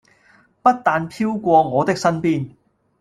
不但飄過我的身邊